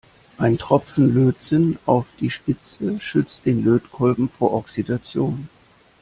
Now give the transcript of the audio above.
Ein Tropfen Lötzinn auf die Spitze schützt den Lötkolben vor Oxidation.